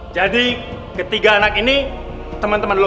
jadi ketiga anak ini temen temen lo